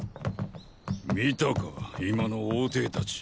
見たか今の王弟たち。